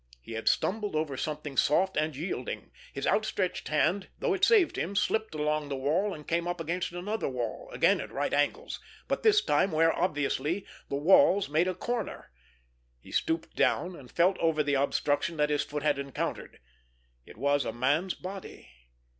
He had stumbled over something soft and yielding. His outstretched hand, though it saved him, slipped along the wall and came up against another wall, again at right angles, but this time where, obviously, the walls made a corner. He stooped down, and felt over the obstruction that his foot had encountered. It was a man's body.